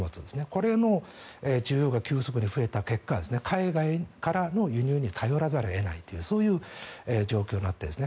これの需要が急速に増えた結果海外からの輸入に頼らざるを得ないというそういう状況になってるんです。